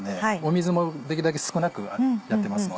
水もできるだけ少なくやってますので。